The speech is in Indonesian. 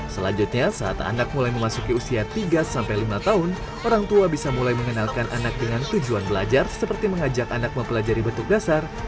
selanjutnya saat anak mulai memasuki usia tiga sampai lima tahun orang tua bisa mulai mengenalkan anak dengan tujuan belajar seperti mengajak anak mempelajari bentuk dasar